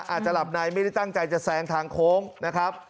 อาจจะหลับในไม่ได้ตั้งใจจะแซงทางโค้งนะครับ